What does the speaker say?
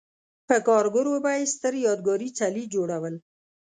په کارګرو به یې ستر یادګاري څلي جوړول